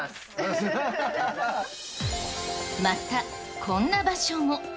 また、こんな場所も。